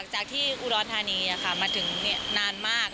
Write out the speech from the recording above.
จากที่อุดรธานีมาถึงนานมาก